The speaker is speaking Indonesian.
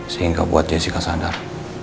sehingga buat jessica sadar